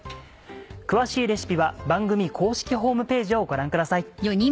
詳しいレシピは番組公式ホームページをご覧ください。